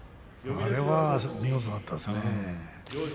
あれは見事だったですね。